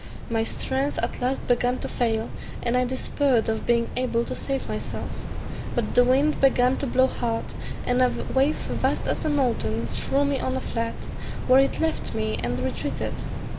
My strength at last began to fail, and I despaired of being able to save myself, but the wind began to blow hard, and a wave vast as a mountain threw me on a flat, where it left me, and retreated.